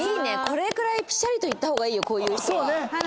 これくらいピシャリといった方がいいよこういう人は。